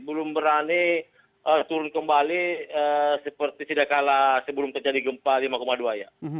belum berani turun kembali seperti tidak kalah sebelum terjadi gempa lima dua ya